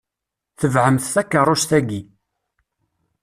Tebɛemt takeṛṛust-ayi.